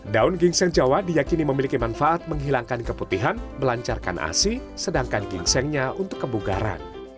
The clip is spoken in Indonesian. daun gingseng jawa diakini memiliki manfaat menghilangkan keputihan melancarkan asi sedangkan gingsengnya untuk kebugaran